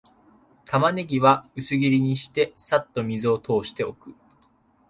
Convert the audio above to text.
タマネギは薄切りにして、さっと水を通しておく